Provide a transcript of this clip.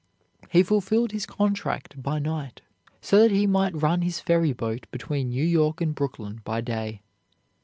He fulfilled his contract by night so that he might run his ferry boat between New York and Brooklyn by day.